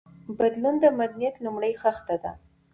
بدلون د مدنيت لومړۍ خښته ده.